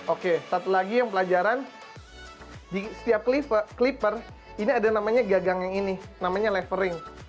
oke satu lagi yang pelajaran di setiap clipper ini ada namanya gagang yang ini namanya levering